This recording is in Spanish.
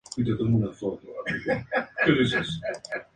Subfamilias según Joel Hallan.